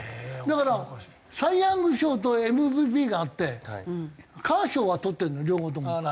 だからサイ・ヤング賞とＭＶＰがあってカーショウはとってるの両方とも。